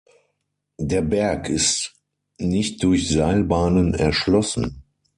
Der Berg ist nicht durch Seilbahnen erschlossen.